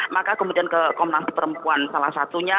maka kemudian ke komnas perempuan salah satunya